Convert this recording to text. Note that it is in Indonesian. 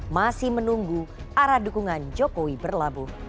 masih menunggu arah dukungan jokowi berlabuh